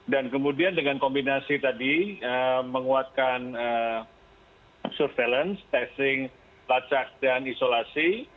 kemudian dengan kombinasi tadi menguatkan surveillance testing lacak dan isolasi